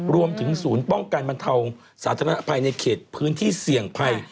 รวมถึงศูนย์ป้องกันบรรเทาสาธารณภัยในเขตพื้นที่เสี่ยงภัย